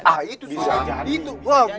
ah itu sudah jadi